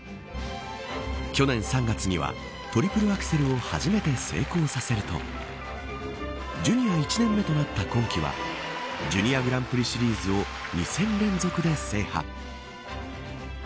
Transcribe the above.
去年３月にはトリプルアクセルを初めて成功させるとジュニア１年目となった今季はジュニアグランプリシリーズを２戦連続で制覇。